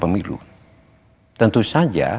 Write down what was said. yang memilu tentu saja